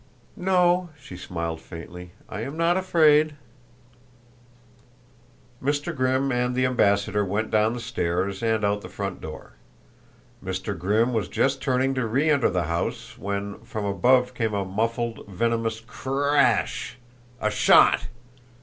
"No." She smiled faintly. "I am not afraid." Mr. Grimm and the ambassador went down the stairs, and out the front door. Mr. Grimm was just turning to reenter the house when from above came a muffled, venomous cra as ash! a shot!